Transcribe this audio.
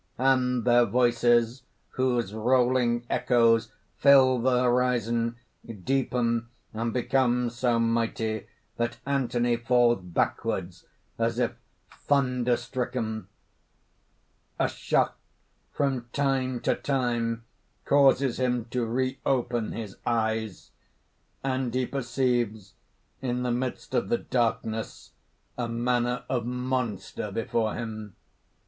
(_And their voices, whose rolling echoes fill the horizon, deepen and become so mighty that Anthony falls backward as if thunder stricken. A shock from time to time causes him to reopen his eyes; and he perceives in the midst of the darkness a manner of monster before him.